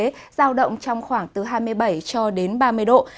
thừa thiên huế giao động trong khoảng từ hai mươi bảy cho đến ba mươi độ